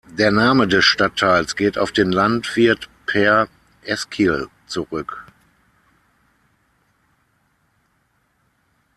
Der Name des Stadtteils geht auf den Landwirt Per Eskil zurück.